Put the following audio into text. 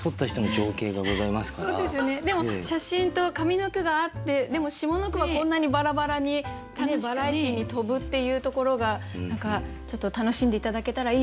でも写真と上の句があってでも下の句はこんなにバラバラにバラエティーに富むっていうところが何かちょっと楽しんで頂けたらいいななんて。